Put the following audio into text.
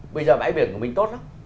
bây giờ bãi biển của mình tốt lắm